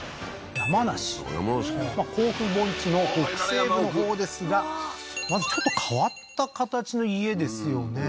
山梨あっ山梨か甲府盆地の北西部のほうですがまずちょっと変わった形の家ですよね